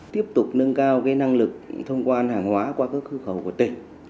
tiếp tục nâng cao cái năng lực thông quan hàng hóa qua các khu khẩu của tỉnh